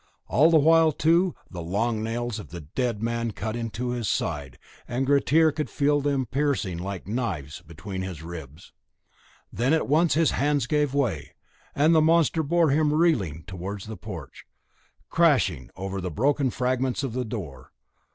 All the while, too, the long nails of the dead man cut into his side, and Grettir could feel them piercing like knives between his ribs. Then at once his hands gave way, and the monster bore him reeling towards the porch, crashing over the broken fragments of the door.